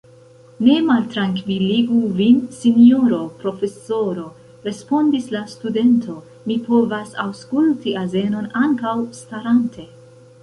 Ne maltrankviligu vin, sinjoro profesoro, respondis la studento, mi povas aŭskulti azenon ankaŭ starante.